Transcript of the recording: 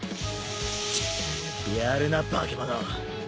チッやるな化け物。